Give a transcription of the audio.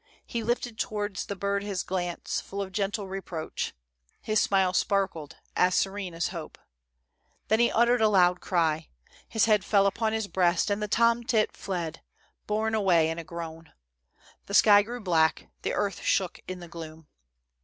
He lifted towards the bird his glance, full of gentle reproach ; his smile sparkled, as serene as hope. 292 THE soldiers' DREAMS. " Then he uttered a loud cry. His head fell upon his breast, and the tom tit fled, borne away in a groan. The sky grew black, the earth shook in the gloom.